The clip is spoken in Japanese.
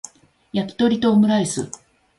やきとりとオムライス